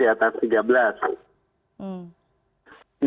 itu turun dari tiga belas persen